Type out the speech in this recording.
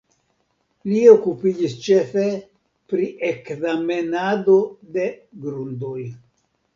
Li okupiĝis ĉefe pri ekzamenado de grundoj.